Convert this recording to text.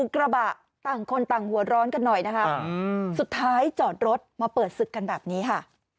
กระบะต่างคนต่างหัวร้อนกันหน่อยนะคะสุดท้ายจอดรถมาเปิดศึกกันแบบนี้ค่ะ